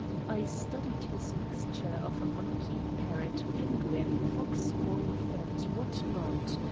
I studied this mixture of a monkey, parrot, penguin, fox, wolf and what not?